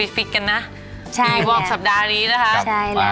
ฟิกกันนะปีวอกสัปดาห์นี้นะคะ